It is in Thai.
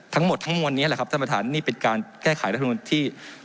ทั้งหมดทั้งมวลนี้แหละครับท่านประธานนี่เป็นการแก้ไขรัฐมนุนที่